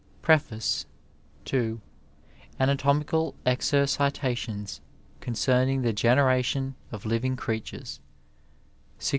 Preface to Anatomicdl Exereitationa concerning the Oeneration of Living CreiUwrea, 1653.